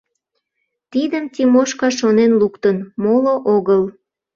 Тидым Тимошка шонен луктын, моло огыл.